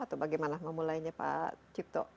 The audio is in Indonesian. atau bagaimana memulainya pak cipto